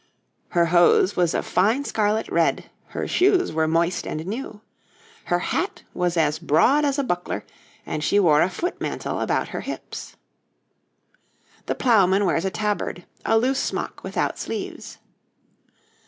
Her hose was of fine scarlet red; her shoes were moist and new. Her hat was as broad as a buckler, and she wore a foot mantle about her hips. THE PLOUGHMAN wears a tabard, a loose smock without sleeves.